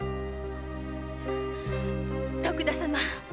徳田様。